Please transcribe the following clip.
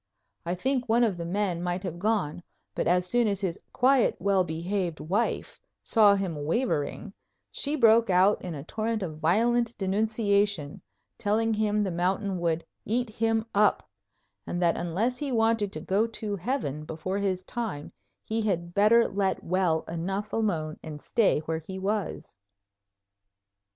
I think one of the men might have gone, but as soon as his quiet, well behaved wife saw him wavering she broke out in a torrent of violent denunciation, telling him the mountain would "eat him up" and that unless he wanted to go to heaven before his time he had better let well enough alone and stay where he was.